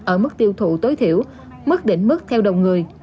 sáu bảy tám chín ở mức tiêu thụ tối thiểu mức đỉnh mức theo đồng người